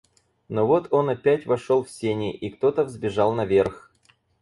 Но вот он опять вошел в сени, и кто-то взбежал наверх.